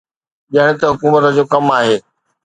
ڄڻ ته حڪومت جو ڪم آهي.